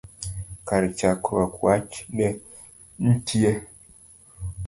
Kar chakruok wach ne ntie